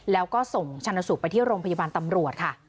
แล้วก็ส่งชันสูตรไปที่โรงพยาบาลตำรวจค่ะ